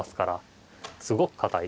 すごく堅い。